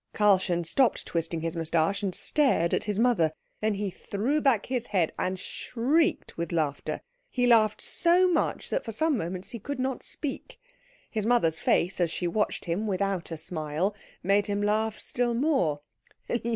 Karlchen stopped twisting his moustache, and stared at his mother. Then he threw back his head and shrieked with laughter. He laughed so much that for some moments he could not speak. His mother's face, as she watched him without a smile, made him laugh still more.